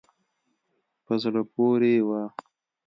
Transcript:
په زړه پورې وه.